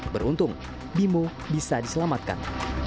beruntung bimo bisa diselamatkan